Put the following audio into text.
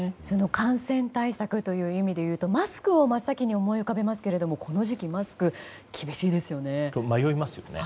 感染対策という意味でいうとマスクを真っ先に思い浮かべますがこの時期はマスク迷いますよね。